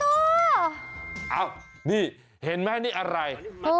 อ้าวนี่เห็นมั้ยนี่อะไร